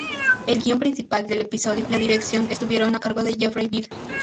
El guion principal del episodio y la dirección estuvieron a cargo de Jeffrey Bell.